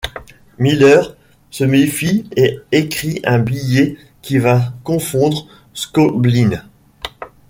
Miller se méfie et écrit un billet qui va confondre Skobline.